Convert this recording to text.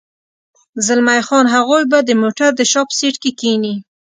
زلمی خان: هغوی به د موټر د شا په سېټ کې کېني.